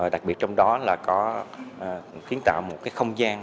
đặc biệt trong đó là có kiến tạo một cái không gian